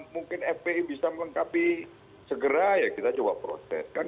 mungkin fpi bisa mengengkapi segera ya kita coba proseskan